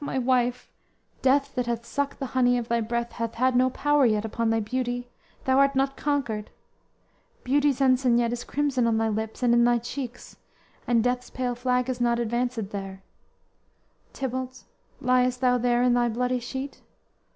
my wife! Death that hath sucked the honey of thy breath, Hath had no power yet upon thy beauty; Thou art not conquered; beauty's ensign yet Is crimson on thy lips, and in thy cheeks, And death's pale flag is not advanced there; Tybalt, liest thou there in thy bloody sheet?